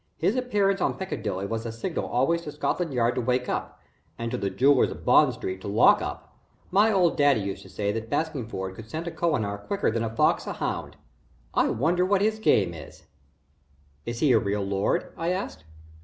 "His appearance on Piccadilly was a signal always to Scotland Yard to wake up, and to the jewellers of Bond Street to lock up. My old daddy used to say that Baskingford could scent a Kohinoor quicker than a hound a fox. I wonder what his game is." "Is he a real lord?" I asked.